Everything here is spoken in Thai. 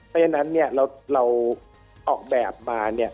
เพราะฉะนั้นเราออกแบบมา